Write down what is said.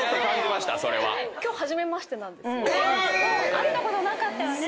会ったことなかったよね。